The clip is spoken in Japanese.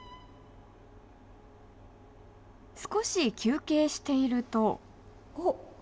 少し休憩しているとおっ。